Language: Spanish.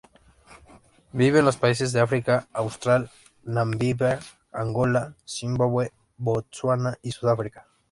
Vive en los países del África Austral: Namibia, Angola, Zimbabue, Botsuana y Sudáfrica.